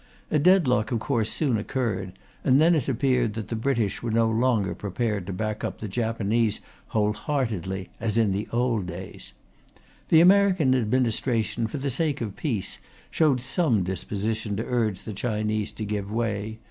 A deadlock, of course, soon occurred, and it then appeared that the British were no longer prepared to back up the Japanese whole heartedly, as in the old days. The American Administration, for the sake of peace, showed some disposition to urge the Chinese to give way.